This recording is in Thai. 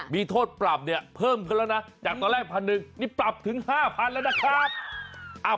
มีโทษปรับเพิ่มขึ้นแล้วนะจากตอนแรก๑๐๐๐บาทปรับถึง๕๐๐๐บาทแล้วนะครับ